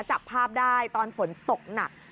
จับภาพได้ตอนฝนตกหนัก